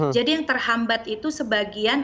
jadi yang terhambat itu sebagian